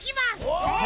おっ！